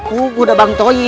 itu banyak yang terjadi